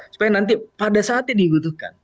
supaya nanti pada saatnya dibutuhkan